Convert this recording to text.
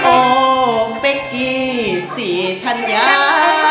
โอ้เฟ็กกี้ศรีธรรยา